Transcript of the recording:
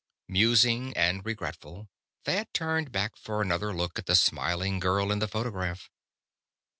Musing and regretful, Thad turned back for another look at the smiling girl in the photograph.